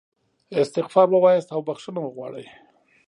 استغفار ووایاست او بخښنه وغواړئ.